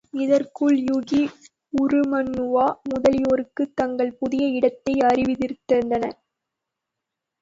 இதற்குள் யூகி, உருமண்ணுவா முதலியோருக்குத் தங்கள் புதிய இடத்தை அறிவித்திருந்தான்.